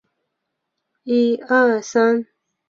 蔚山文化广播的放送局。